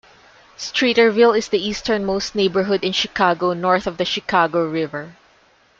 Streeterville is the easternmost neighborhood in Chicago north of the Chicago River.